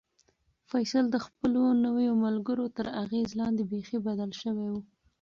فیصل د خپلو نویو ملګرو تر اغېز لاندې بیخي بدل شوی و.